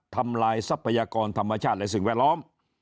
ทำลายทรัพยากรธรรมชาติและสิ่งแวดล้อม